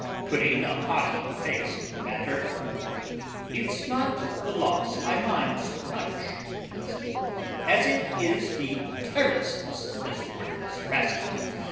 Putting a haughty face on the matter, "It's not the loss I mind so much," he said, "as it is the carelessness of this worthless rascal.